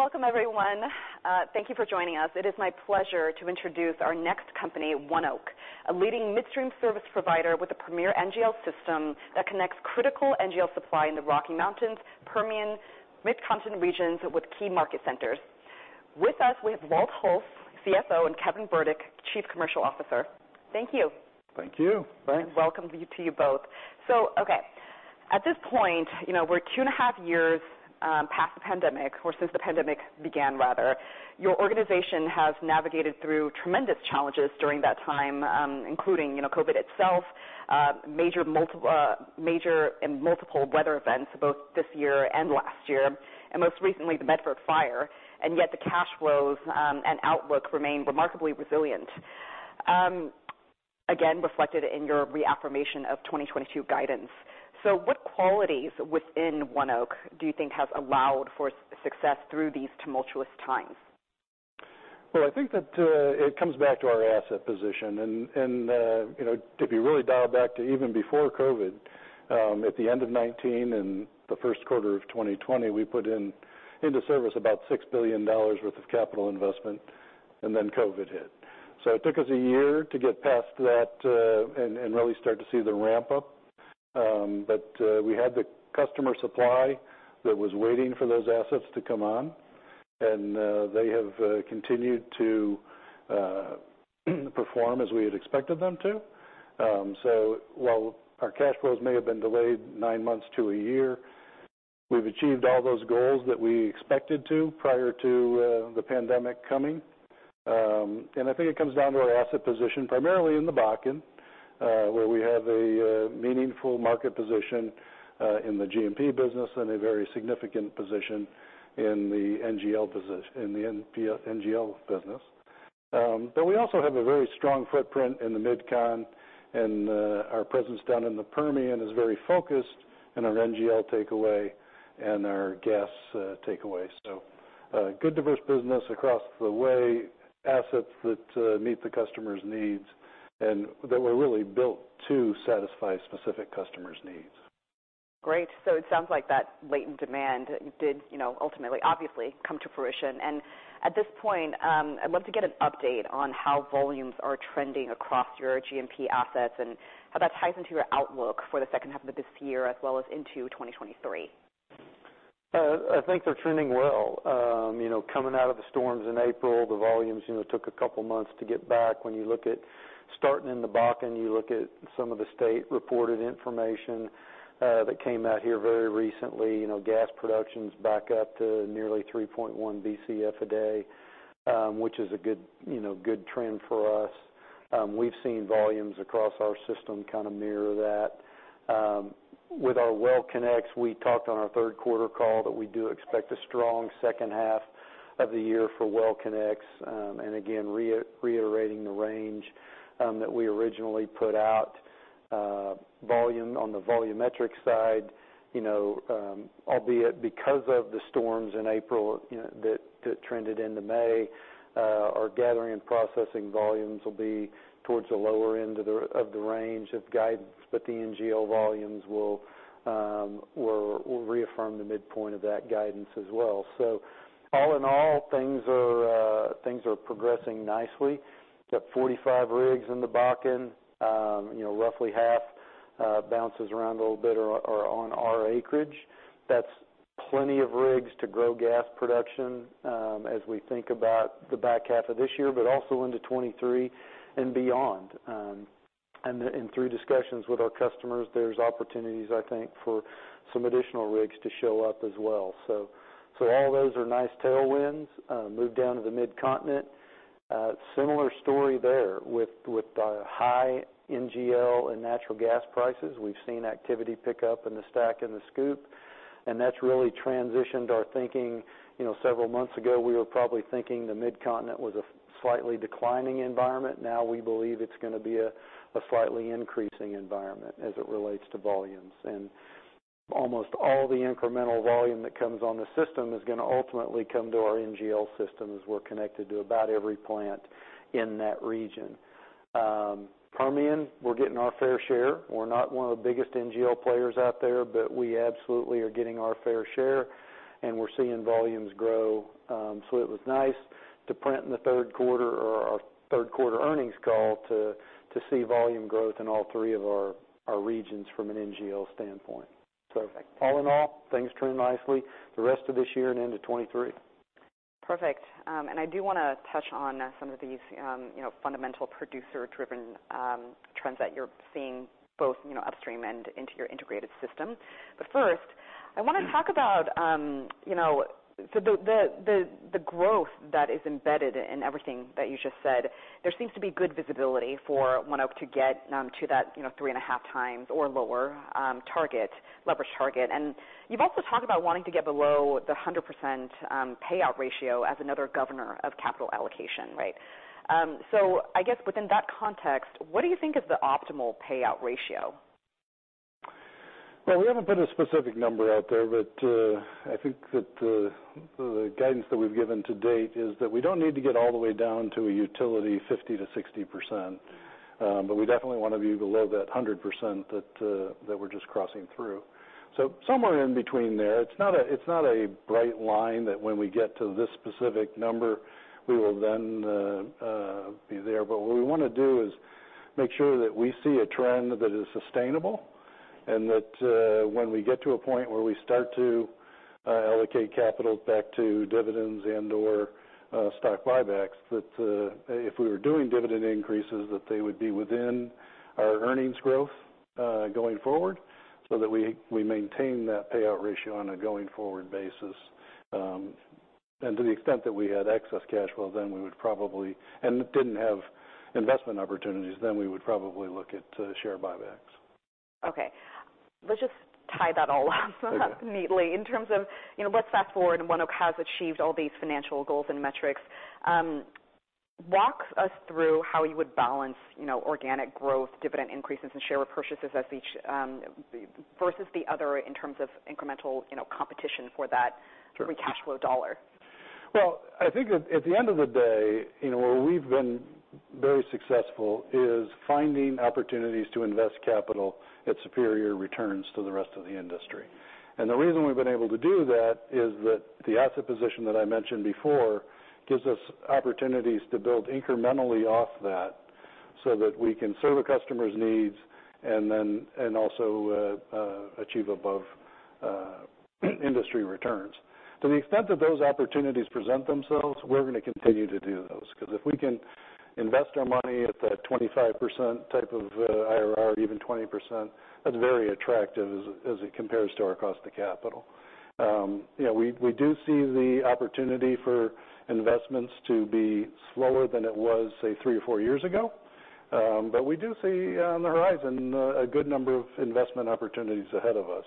Welcome everyone. Thank you for joining us. It is my pleasure to introduce our next company, ONEOK, a leading midstream service provider with a premier NGL system that connects critical NGL supply in the Rocky Mountains, Permian, Mid-Continent regions with key market centers. With us, we have Walt Hulse, CFO, and Kevin Burdick, Chief Commercial Officer. Thank you. Thank you. Thanks. Welcome to you both. Okay. At this point, you know, we're two and a half years past the pandemic, or since the pandemic began, rather. Your organization has navigated through tremendous challenges during that time, including, you know, COVID, major and multiple weather events, both this year and last year, and most recently, the Medford Fire. Yet the cash flows and outlook remain remarkably resilient. Again, reflected in your reaffirmation of 2022 guidance. What qualities within ONEOK do you think has allowed for success through these tumultuous times? Well, I think that it comes back to our asset position and, you know, to be really dialed back to even before COVID, at the end of 2019 and the first quarter of 2020, we put into service about $6 billion worth of capital investment, and then COVID hit. It took us a year to get past that and really start to see the ramp up. We had the customer supply that was waiting for those assets to come on, and they have continued to perform as we had expected them to. While our cash flows may have been delayed nine months to a year, we've achieved all those goals that we expected to prior to the pandemic coming. I think it comes down to our asset position, primarily in the Bakken, where we have a meaningful market position in the G&P business and a very significant position in the NGL business. But we also have a very strong footprint in the Mid-Con, and our presence down in the Permian is very focused in our NGL takeaway and our gas takeaway. Good diverse business across the way, assets that meet the customer's needs, and they were really built to satisfy specific customers' needs. Great. It sounds like that latent demand did, you know, ultimately, obviously come to fruition. At this point, I'd love to get an update on how volumes are trending across your G&P assets and how that ties into your outlook for the second half of this year as well as into 2023. I think they're trending well. You know, coming out of the storms in April, the volumes, you know, took a couple months to get back. When you look at starting in the Bakken, you look at some of the state-reported information that came out here very recently. You know, gas production's back up to nearly 3.1 Bcf a day, which is a good, you know, good trend for us. We've seen volumes across our system kind of mirror that. With our well connects, we talked on our third quarter call that we do expect a strong second half of the year for well connects, and again, reiterating the range that we originally put out. On the volumetric side, you know, albeit because of the storms in April, you know, that trended into May, our gathering and processing volumes will be towards the lower end of the range of guidance, but the NGL volumes will reaffirm the midpoint of that guidance as well. All in all, things are progressing nicely. Got 45 rigs in the Bakken. You know, roughly half bounces around a little bit are on our acreage. That's plenty of rigs to grow gas production, as we think about the back half of this year, but also into 2023 and beyond. And through discussions with our customers, there's opportunities, I think, for some additional rigs to show up as well. All those are nice tailwinds. Move down to the Mid-Continent. Similar story there with high NGL and natural gas prices. We've seen activity pick up in the STACK and the SCOOP, and that's really transitioned our thinking. You know, several months ago, we were probably thinking the Mid-Continent was a slightly declining environment. Now we believe it's gonna be a slightly increasing environment as it relates to volumes. Almost all the incremental volume that comes on the system is gonna ultimately come to our NGL system as we're connected to about every plant in that region. Permian, we're getting our fair share. We're not one of the biggest NGL players out there, but we absolutely are getting our fair share, and we're seeing volumes grow. It was nice to print in the third quarter on our third quarter earnings call to see volume growth in all three of our regions from an NGL standpoint. All in all, things trend nicely the rest of this year and into 2023. Perfect. I do wanna touch on some of these, you know, fundamental producer-driven trends that you're seeing both, you know, upstream and into your integrated system. First, I wanna talk about, you know, the growth that is embedded in everything that you just said. There seems to be good visibility for ONEOK to get to that, you know, 3.5x or lower target leverage target. You've also talked about wanting to get below the 100% payout ratio as another governor of capital allocation, right? I guess within that context, what do you think is the optimal payout ratio? Well, we haven't put a specific number out there, but I think that the guidance that we've given to date is that we don't need to get all the way down to a utility 50%-60%. But we definitely want to be below that 100% that we're just crossing through. Somewhere in between there. It's not a bright line that when we get to this specific number, we will then be there. What we wanna do is make sure that we see a trend that is sustainable, and that when we get to a point where we start to allocate capital back to dividends and/or stock buybacks, that if we were doing dividend increases, that they would be within our earnings growth going forward, so that we maintain that payout ratio on a going forward basis. To the extent that we had excess cash flow and didn't have investment opportunities, then we would probably look at share buy-backs. Okay. Let's just tie that all up neatly. Okay. In terms of, you know, let's fast-forward, ONEOK has achieved all these financial goals and metrics. Walk us through how you would balance, you know, organic growth, dividend increases, and share repurchases as each, versus the other in terms of incremental, you know, competition for that. Sure. Free cash flow dollar. Well, I think at the end of the day, you know, where we've been very successful is finding opportunities to invest capital at superior returns to the rest of the industry. The reason we've been able to do that is that the asset position that I mentioned before gives us opportunities to build incrementally off that, so that we can serve a customer's needs, and also achieve above industry returns. To the extent that those opportunities present themselves, we're gonna continue to do those. Cause if we can invest our money at that 25% type of IRR, or even 20%, that's very attractive as it compares to our cost of capital. You know, we do see the opportunity for investments to be slower than it was, say, three or four years ago. We do see on the horizon a good number of investment opportunities ahead of us.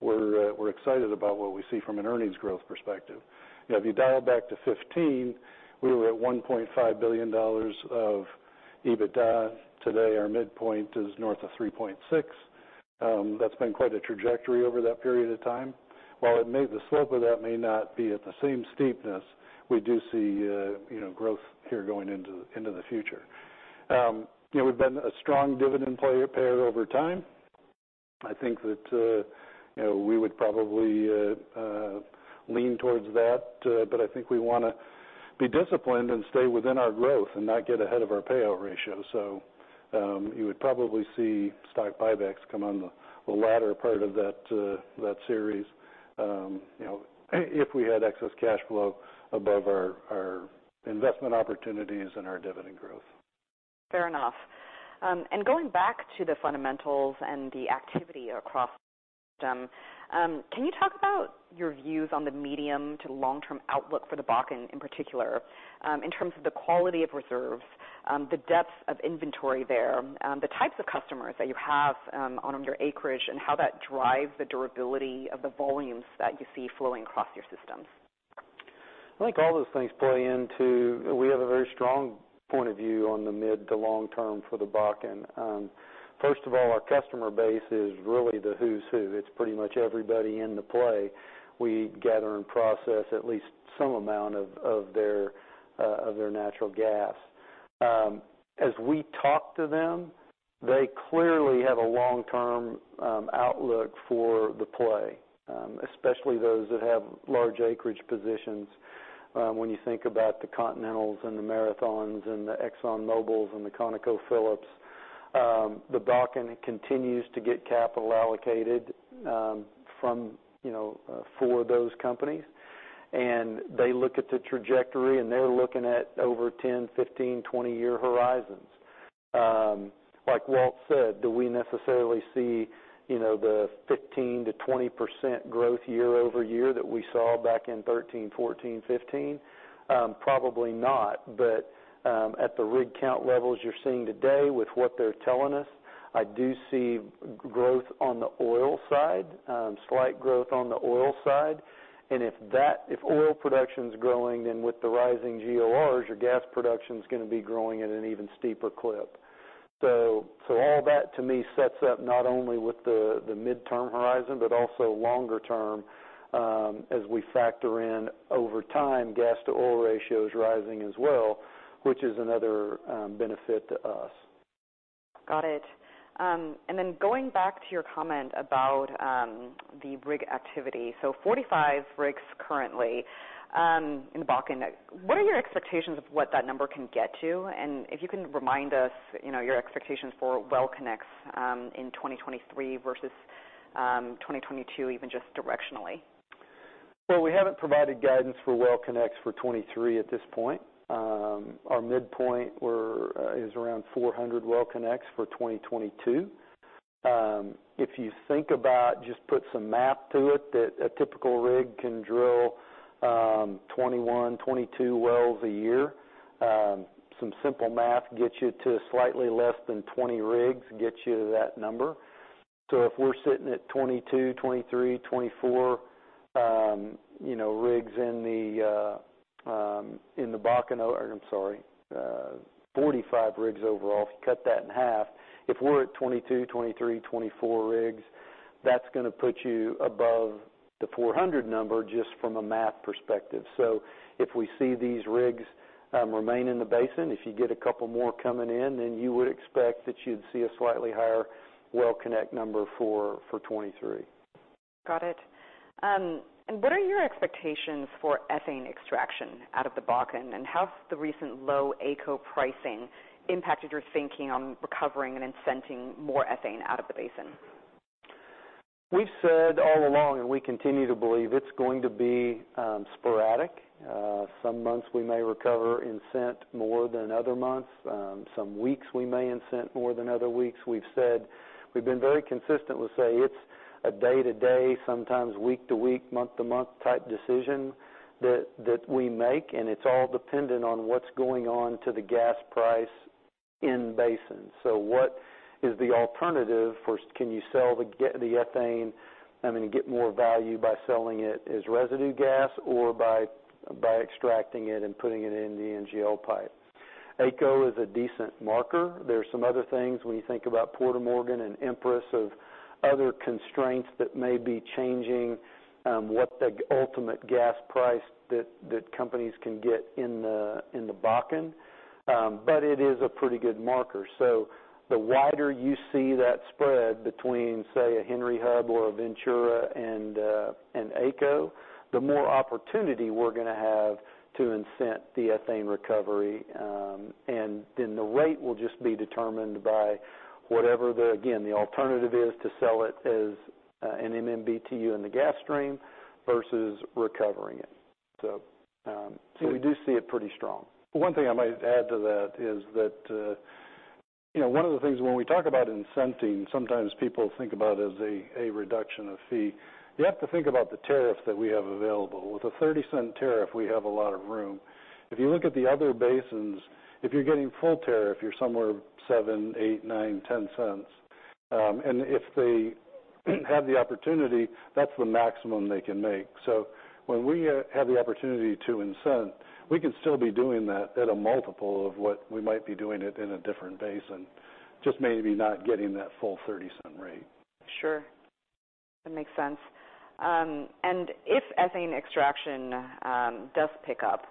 We're excited about what we see from an earnings growth perspective. You know, if you dial back to 2015, we were at $1.5 billion of EBITDA. Today, our midpoint is north of $3.6 billion. That's been quite a trajectory over that period of time. While the slope of that may not be at the same steepness, we do see, you know, growth here going into the future. You know, we've been a strong dividend payer over time. I think that, you know, we would probably lean towards that. I think we wanna be disciplined and stay within our growth and not get ahead of our payout ratio. You would probably see stock buybacks come on the latter part of that series, you know, if we had excess cash flow above our investment opportunities and our dividend growth. Fair enough. Going back to the fundamentals and the activity across. Can you talk about your views on the medium to long-term outlook for the Bakken in particular, in terms of the quality of reserves, the depth of inventory there, the types of customers that you have, on your acreage, and how that drives the durability of the volumes that you see flowing across your systems? I think all those things play into we have a very strong point of view on the mid to long term for the Bakken. First of all, our customer base is really the who's who. It's pretty much everybody in the play. We gather and process at least some amount of their natural gas. As we talk to them, they clearly have a long-term outlook for the play, especially those that have large acreage positions. When you think about the Continental Resources and the Marathon Oil and the ExxonMobil and the ConocoPhillips, the Bakken continues to get capital allocated from, you know, for those companies. They look at the trajectory, and they're looking at over 10, 15, 20-year horizons. Like Walt said, do we necessarily see, you know, the 15%-20% growth year-over-year that we saw back in 2013, 2014, 2015? Probably not. At the rig count levels you're seeing today with what they're telling us, I do see growth on the oil side, slight growth on the oil side. If oil production's growing, then with the rising GORs, your gas production's gonna be growing at an even steeper clip. All that, to me, sets up not only with the midterm horizon, but also longer term, as we factor in over time gas to oil ratios rising as well, which is another benefit to us. Got it. Going back to your comment about the rig activity, so 45 rigs currently in the Bakken. Yeah. What are your expectations of what that number can get to? If you can remind us, you know, your expectations for well connects in 2023 versus 2022, even just directionally? We haven't provided guidance for well connects for 2023 at this point. Our midpoint is around 400 well connects for 2022. If you think about, just put some math to it, that a typical rig can drill 21, 22 wells a year, some simple math gets you to slightly less than 20 rigs, gets you to that number. If we're sitting at 22, 23, 24, you know, rigs in the Bakken, or I'm sorry, 45 rigs overall, if you cut that in half. If we're at 22, 23, 24 rigs. That's gonna put you above the 400 number just from a math perspective. If we see these rigs remain in the basin, if you get a couple more coming in, then you would expect that you'd see a slightly higher well connect number for 2023. Got it. What are your expectations for ethane extraction out of the Bakken? How's the recent low AECO pricing impacted your thinking on recovering and incenting more ethane out of the basin? We've said all along, and we continue to believe it's going to be sporadic. Some months we may recover incentives more than other months. Some weeks we may incentives more than other weeks. We've said we've been very consistent with, say, it's a day-to-day, sometimes week-to-week, month-to-month type decision that we make, and it's all dependent on what's going on to the gas price in basin. What is the alternative can you sell the ethane, I mean, get more value by selling it as residue gas or by extracting it and putting it in the NGL pipe? AECO is a decent marker. There are some other things when you think about Fort Morgan and Empress or other constraints that may be changing what the ultimate gas price that companies can get in the Bakken. It is a pretty good marker. The wider you see that spread between, say, a Henry Hub or a Ventura and AECO, the more opportunity we're gonna have to incent the ethane recovery. The rate will just be determined by whatever again the alternative is to sell it as an MMBtu in the gas stream versus recovering it. We do see it pretty strong. One thing I might add to that is that, you know, one of the things when we talk about incenting, sometimes people think about it as a reduction of fee. You have to think about the tariff that we have available. With a $0.30 tariff, we have a lot of room. If you look at the other basins, if you're getting full tariff, you're somewhere $0.07, $0.08, $0.09, $0.10. If they have the opportunity, that's the maximum they can make. When we have the opportunity to incent, we can still be doing that at a multiple of what we might be doing it in a different basin, just maybe not getting that full $0.30 rate. Sure. That makes sense. If ethane extraction does pick up,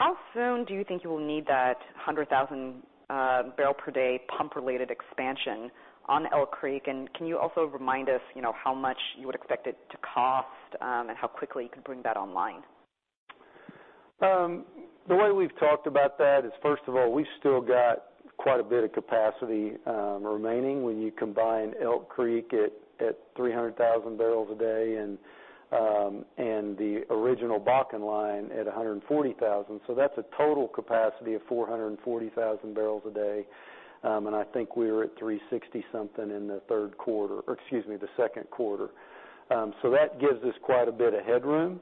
how soon do you think you will need that 100,000 barrel per day pump related expansion on Elk Creek? And can you also remind us, you know, how much you would expect it to cost, and how quickly you could bring that online? The way we've talked about that is, first of all, we still got quite a bit of capacity remaining when you combine Elk Creek at 300,000 barrels a day and the original Bakken line at 140,000. So that's a total capacity of 440,000 barrels a day. I think we were at 360-something in the second quarter. So that gives us quite a bit of headroom.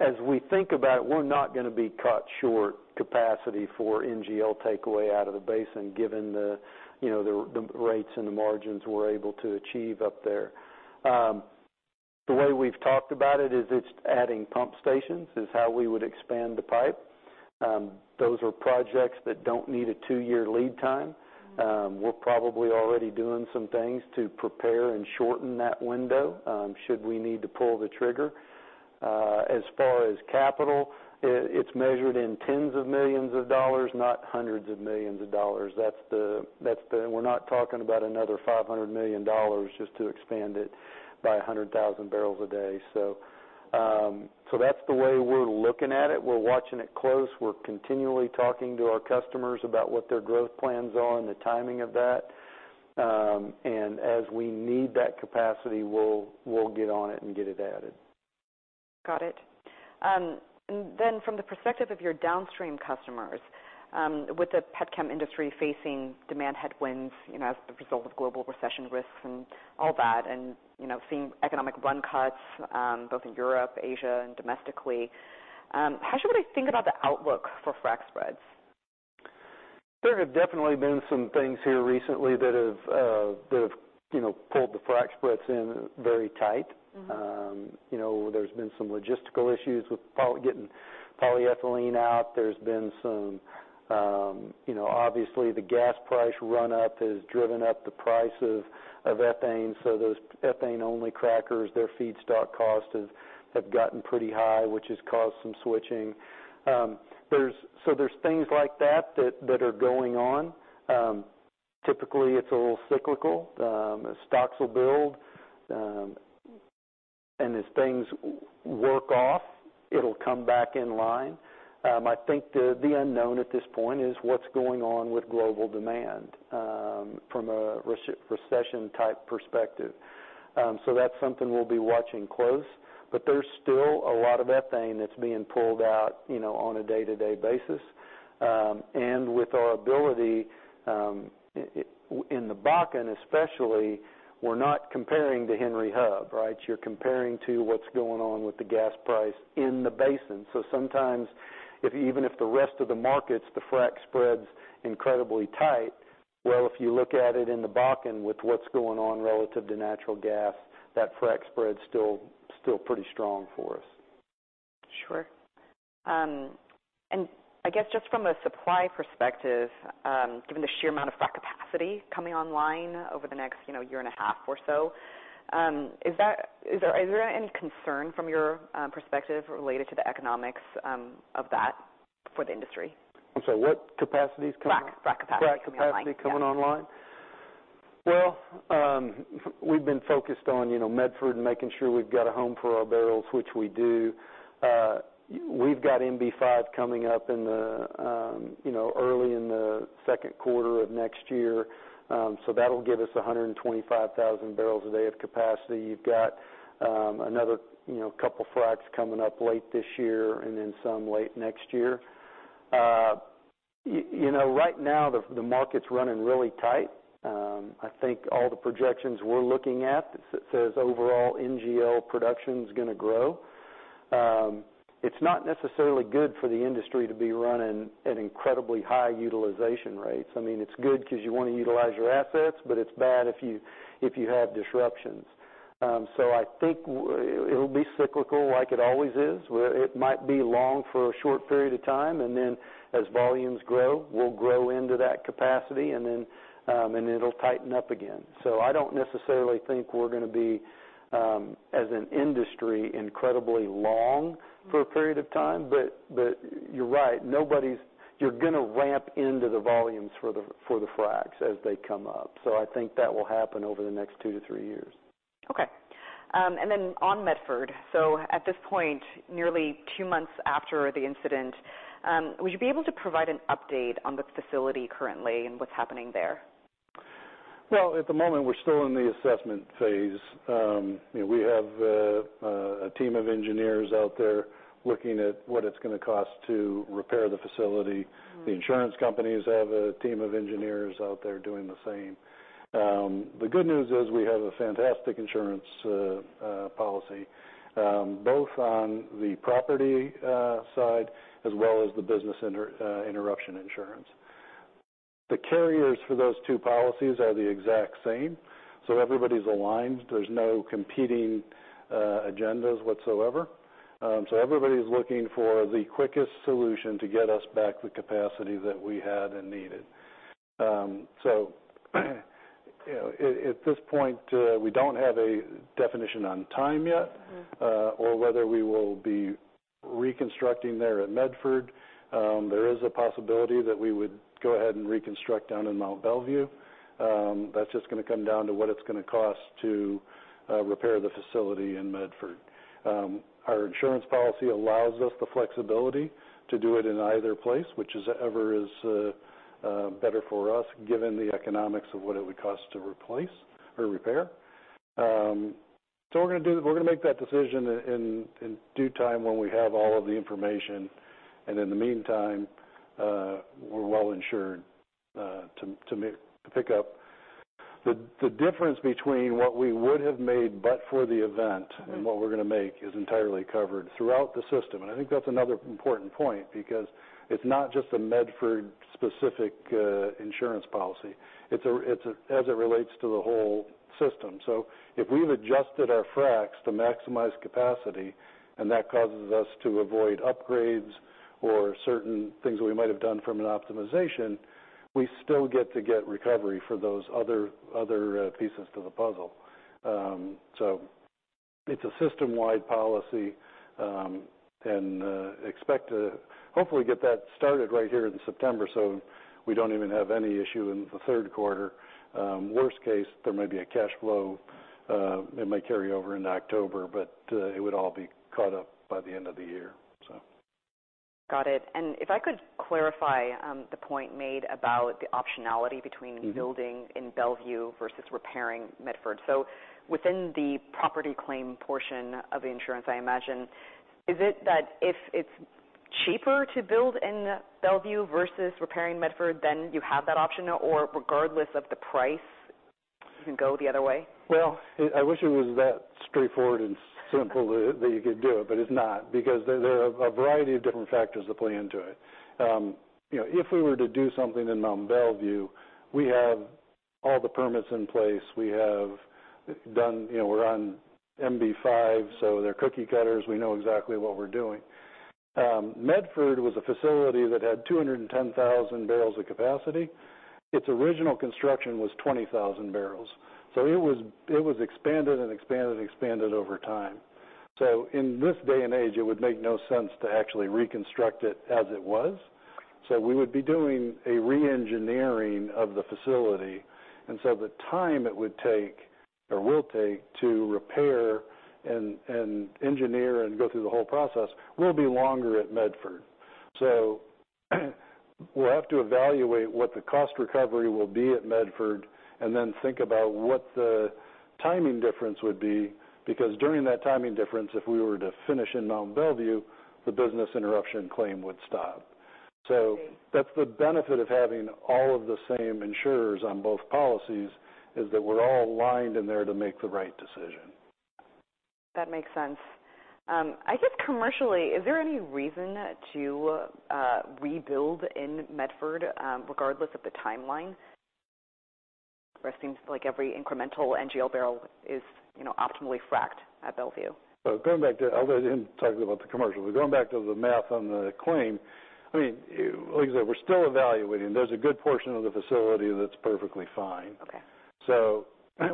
As we think about it, we're not gonna be caught short capacity for NGL takeaway out of the basin given the, you know, the rates and the margins we're able to achieve up there. The way we've talked about it is it's adding pump stations is how we would expand the pipe. Those are projects that don't need a 2-year lead time. We're probably already doing some things to prepare and shorten that window, should we need to pull the trigger. As far as capital, it's measured in tens of millions of dollars, not hundreds of millions of dollars. We're not talking about another $500 million just to expand it by 100,000 barrels a day. That's the way we're looking at it. We're watching it close. We're continually talking to our customers about what their growth plans are and the timing of that. As we need that capacity, we'll get on it and get it added. Got it. From the perspective of your downstream customers, with the petchem industry facing demand headwinds, you know, as a result of global recession risks and all that, and you know, seeing economic run cuts, both in Europe, Asia and domestically, how should we think about the outlook for frac spreads? There have definitely been some things here recently that have, you know, pulled the frac spreads in very tight. You know, there's been some logistical issues with getting polyethylene out. There's been some, you know, obviously the gas price run-up has driven up the price of ethane. Those ethane-only crackers, their feedstock costs have gotten pretty high, which has caused some switching. There are things like that that are going on. Typically it's a little cyclical. Stocks will build. As things work off, it'll come back in line. I think the unknown at this point is what's going on with global demand, from a recession type perspective. That's something we'll be watching close. There's still a lot of ethane that's being pulled out, you know, on a day-to-day basis. With our ability in the Bakken especially, we're not comparing to Henry Hub, right? You're comparing to what's going on with the gas price in the basin. Sometimes if even if the rest of the markets, the frac spread's incredibly tight, well, if you look at it in the Bakken with what's going on relative to natural gas, that frac spread's still pretty strong for us. Sure. I guess just from a supply perspective, given the sheer amount of frac capacity coming online over the next, you know, year and a half or so, is there any concern from your perspective related to the economics of that for the industry? I'm sorry, what capacity is coming up? Frac capacity coming online. Frac capacity coming online? Yeah. We've been focused on, you know, Medford and making sure we've got a home for our barrels, which we do. We've got MB-5 coming up in the, you know, early in the second quarter of next year. So that'll give us 125,000 barrels a day of capacity. You've got another, you know, couple fracs coming up late this year and then some late next year. You know, right now, the market's running really tight. I think all the projections we're looking at says overall NGL production's gonna grow. It's not necessarily good for the industry to be running at incredibly high utilization rates. I mean, it's good 'cause you wanna utilize your assets, but it's bad if you have disruptions. I think it'll be cyclical like it always is, where it might be long for a short period of time, and then as volumes grow, we'll grow into that capacity, and then and it'll tighten up again. I don't necessarily think we're gonna be, as an industry, incredibly long for a period of time. You're right, you're gonna ramp into the volumes for the fracs as they come up. I think that will happen over the next 2-3 years. Okay. On Medford, at this point, nearly two months after the incident, would you be able to provide an update on the facility currently and what's happening there? Well, at the moment, we're still in the assessment phase. You know, we have a team of engineers out there looking at what it's gonna cost to repair the facility. The insurance companies have a team of engineers out there doing the same. The good news is we have a fantastic insurance policy, both on the property side as well as the business interruption insurance. The carriers for those two policies are the exact same, so everybody's aligned. There's no competing agendas whatsoever. Everybody's looking for the quickest solution to get us back the capacity that we had and needed. You know, at this point, we don't have a definition on time yet. or whether we will be reconstructing there at Medford. There is a possibility that we would go ahead and reconstruct down in Mont Belvieu. That's just gonna come down to what it's gonna cost to repair the facility in Medford. Our insurance policy allows us the flexibility to do it in either place, whichever is better for us given the economics of what it would cost to replace or repair. We're gonna make that decision in due time when we have all of the information. In the meantime, we're well insured to pick up the difference between what we would have made but for the event. Right What we're gonna make is entirely covered throughout the system. I think that's another important point because it's not just a Medford-specific insurance policy. It's as it relates to the whole system. If we've adjusted our fracs to maximize capacity and that causes us to avoid upgrades or certain things we might have done from an optimization, we still get recovery for those other pieces to the puzzle. It's a system-wide policy, and expect to hopefully get that started right here in September, so we don't even have any issue in the third quarter. Worst case, there may be a cash flow, it may carry over into October, but it would all be caught up by the end of the year. Got it. If I could clarify, the point made about the optionality between, Building in Mont Belvieu versus repairing Medford. Within the property claim portion of the insurance, I imagine, is it that if it's cheaper to build in Mont Belvieu versus repairing Medford, then you have that option? Or regardless of the price, you can go the other way? I wish it was that straightforward and simple that you could do it, but it's not, because there are a variety of different factors that play into it. You know, if we were to do something in Mont Belvieu, we have all the permits in place. We have done, you know, we're on MB-5, so they're cookie cutters. We know exactly what we're doing. Medford was a facility that had 210,000 barrels of capacity. Its original construction was 20,000 barrels. It was expanded and expanded and expanded over time. In this day and age, it would make no sense to actually reconstruct it as it was. We would be doing a re-engineering of the facility. The time it would take or will take to repair and engineer and go through the whole process will be longer at Medford. We'll have to evaluate what the cost recovery will be at Medford and then think about what the timing difference would be, because during that timing difference, if we were to finish in Mont Belvieu, the business interruption claim would stop. Okay. That's the benefit of having all of the same insurers on both policies, is that we're all aligned in there to make the right decision. That makes sense. I guess commercially, is there any reason to rebuild in Medford, regardless of the timeline? Where it seems like every incremental NGL barrel is, you know, optimally frac'd at Mont Belvieu. Going back to, I'll let him talk about the commercial, but going back to the math on the claim, I mean, like I said, we're still evaluating. There's a good portion of the facility that's perfectly fine. Okay.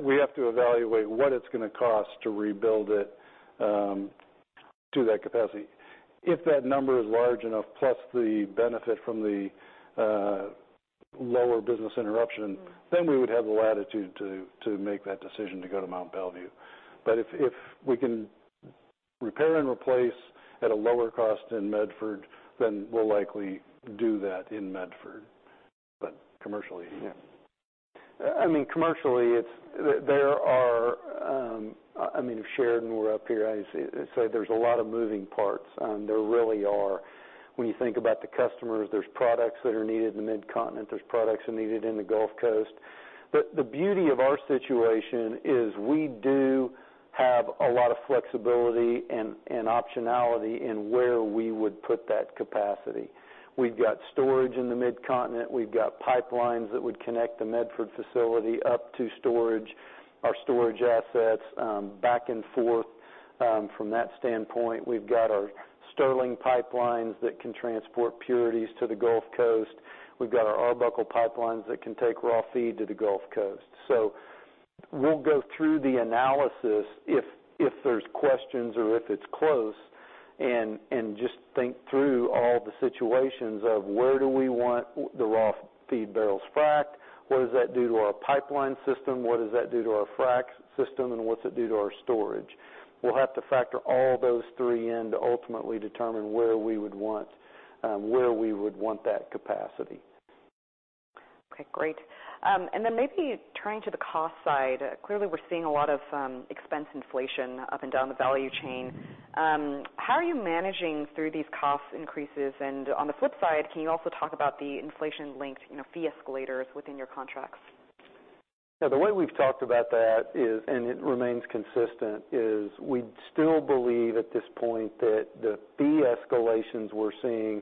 We have to evaluate what it's gonna cost to rebuild it, to that capacity. If that number is large enough, plus the benefit from the, lower business interruption, We would have the latitude to make that decision to go to Mont Belvieu. If we can repair and replace at a lower cost in Medford, then we'll likely do that in Medford. Commercially. Yeah. I mean, commercially, there are. I mean, if Sheridan were up here, I say, there's a lot of moving parts. There really are. When you think about the customers, there's products that are needed in the Mid-Continent, there's products that are needed in the Gulf Coast. The beauty of our situation is we do have a lot of flexibility and optionality in where we would put that capacity. We've got storage in the Mid-Continent. We've got pipelines that would connect the Medford facility up to storage, our storage assets, back and forth. From that standpoint, we've got our Sterling pipelines that can transport purities to the Gulf Coast. We've got our Arbuckle pipelines that can take raw feed to the Gulf Coast. We'll go through the analysis if there's questions or if it's close, and just think through all the situations of where do we want the raw-feed barrels frac'd? What does that do to our pipeline system? What does that do to our frac system, and what's it do to our storage? We'll have to factor all those three in to ultimately determine where we would want that capacity. Okay, great. Maybe turning to the cost side. Clearly, we're seeing a lot of expense inflation up and down the value chain. How are you managing through these cost increases? On the flip side, can you also talk about the inflation-linked, you know, fee escalators within your contracts? Yeah, the way we've talked about that is, and it remains consistent, is we still believe at this point that the fee escalations we're seeing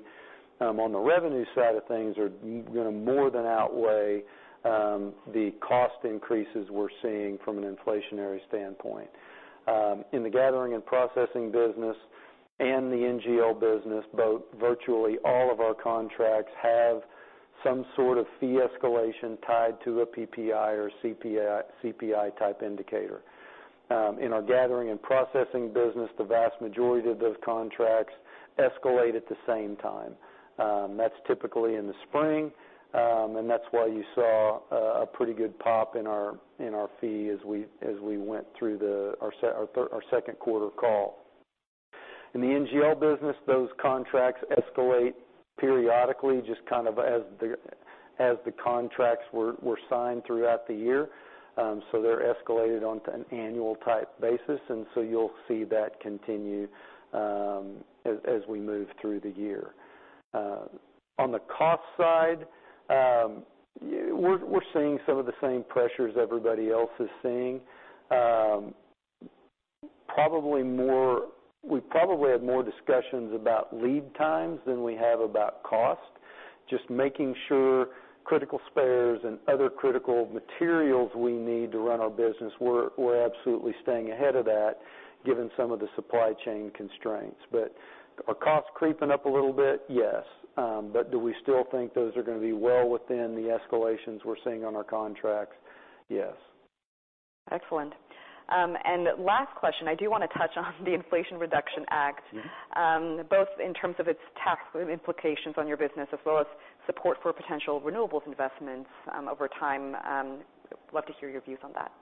on the revenue side of things are gonna more than outweigh the cost increases we're seeing from an inflationary standpoint. In the gathering and processing business and the NGL business, both virtually all of our contracts have some sort of fee escalation tied to a PPI or CPI type indicator. In our gathering and processing business, the vast majority of those contracts escalate at the same time. That's typically in the spring, and that's why you saw a pretty good pop in our fee as we went through our second quarter call. In the NGL business, those contracts escalate periodically, just kind of as the contracts were signed throughout the year. They're escalated on an annual type basis, and you'll see that continue as we move through the year. On the cost side, we're seeing some of the same pressures everybody else is seeing. Probably more, we probably have more discussions about lead times than we have about cost. Just making sure critical spares and other critical materials we need to run our business, we're absolutely staying ahead of that given some of the supply chain constraints. Are costs creeping up a little bit? Yes. Do we still think those are gonna be well within the escalations we're seeing on our contracts? Yes. Excellent. Last question, I do wanna touch on the Inflation Reduction Act. Both in terms of its tax implications on your business, as well as support for potential renewables investments, over time. Love to hear your views on that.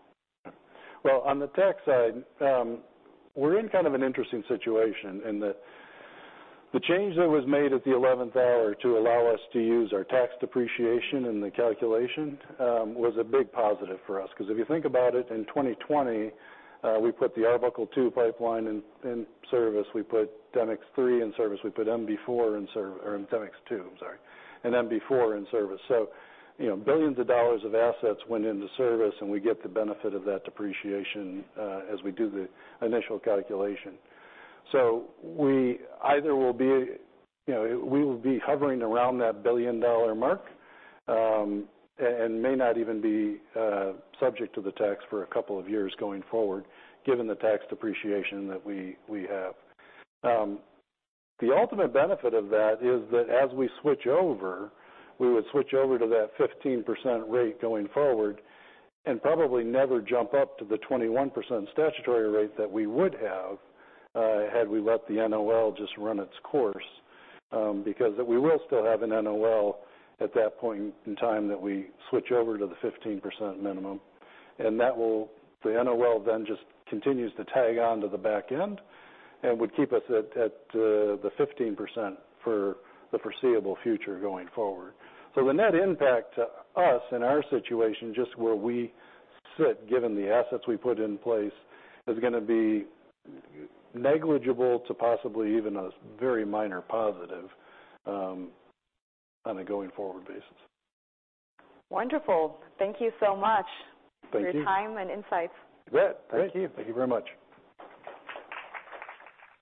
Well, on the tax side, we're in kind of an interesting situation in that the change that was made at the eleventh hour to allow us to use our tax depreciation in the calculation was a big positive for us. 'Cause if you think about it, in 2020, we put the Arbuckle II pipeline in service. We put Demicks Lake II in service, I'm sorry, and MB-4 in service. You know, billions of dollars of assets went into service, and we get the benefit of that depreciation as we do the initial calculation. You know, we will be hovering around that billion-dollar mark and may not even be subject to the tax for a couple of years going forward, given the tax depreciation that we have. The ultimate benefit of that is that as we switch over, we would switch over to that 15% rate going forward and probably never jump up to the 21% statutory rate that we would have had we let the NOL just run its course, because we will still have an NOL at that point in time that we switch over to the 15% minimum. The NOL then just continues to tag on to the back end and would keep us at the 15% for the foreseeable future going forward. The net impact to us in our situation, just where we sit, given the assets we put in place, is gonna be negligible to possibly even a very minor positive, on a going forward basis. Wonderful. Thank you so much. Thank you. for your time and insights. You bet. Thank you. Thank you very much.